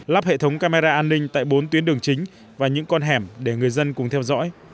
lắp hệ thống camera an ninh tại bốn tuyến đường chính và những con hẻm để người dân cùng theo dõi